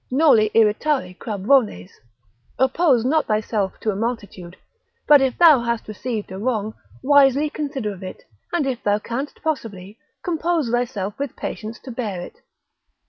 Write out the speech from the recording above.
Noli irritare crabrones, oppose not thyself to a multitude: but if thou hast received a wrong, wisely consider of it, and if thou canst possibly, compose thyself with patience to bear it.